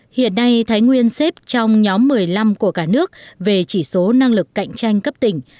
hiện nay thái nguyên xếp trong nhóm một mươi năm của cả nước về chỉ số năng lực cạnh tranh cấp tỉnh